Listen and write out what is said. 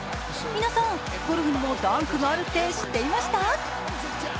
皆さん、ゴルフにもダンクがあるって知ってました？